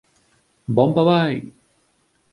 Bomba vai.